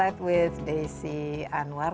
kita kembali bersama inside with desy anwar